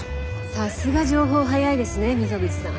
さすが情報早いですね溝口さん。